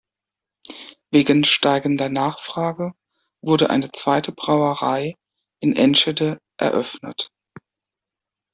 Wegen steigender Nachfrage wurde eine zweite Brauerei in Enschede eröffnet.